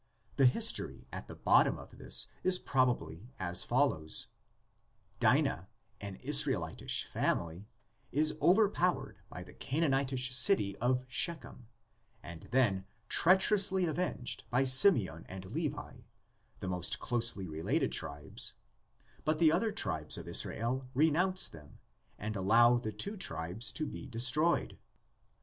The history at the bottom of this is probably as follows: Dinah, an Israelitish family, is overpowered by the Canaanitish city of Shechem and then treacherously avenged by Simeon and Levi, the most closely VARIETIES OF THE LEGENDS. 21 related tribes, but the other tribes of Israel renounce them and allow the two tribes to be destroyed.